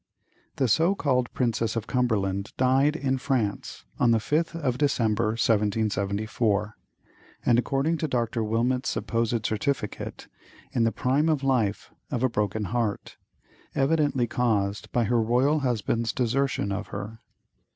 The so called "Princess of Cumberland" died in France, on the 5th of December, 1774, and, according to Dr. Wilmot's supposed certificate, "in the prime of life of a broken heart," evidently caused by her royal husband's desertion of her.